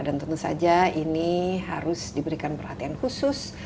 dan tentu saja ini harus diberikan perhatian khusus